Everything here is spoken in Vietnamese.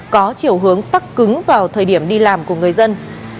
có chiều hướng tắt cứng vào thời điểm đi làm của người dân